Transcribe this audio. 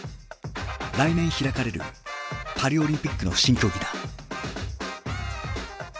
来年開かれるパリ・オリンピックの新競技だ。